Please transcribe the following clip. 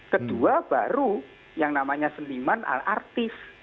kedua baru yang namanya seniman artis